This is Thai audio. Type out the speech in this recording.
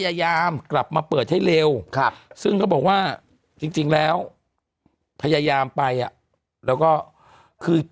อยู่ด้วยและก็มีสลักด้วยอันนั้นก็เป็นของมาทำความสะอาด